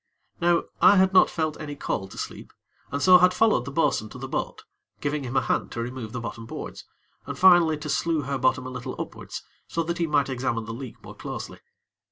Now I had not felt any call to sleep, and so had followed the bo'sun to the boat, giving him a hand to remove the bottom boards, and finally to slue her bottom a little upwards, so that he might examine the leak more closely.